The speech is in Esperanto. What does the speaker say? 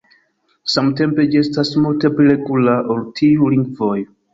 Samtempe ĝi estas multe pli regula ol tiuj lingvoj.